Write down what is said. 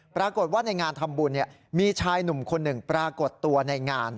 ปรากฏว่าในงานทำบุญมีชายหนุ่มคนหนึ่งปรากฏตัวในงาน